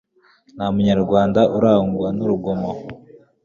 nta munyarwand uranga n' urugomo